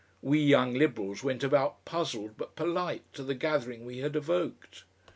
We Young Liberals went about puzzled but polite to the gathering we had evoked.